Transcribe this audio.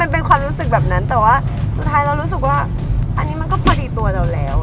เพราะว่าสุดท้ายเรารู้สึกว่าอันนี้มันก็พอดีตัวเราแล้ว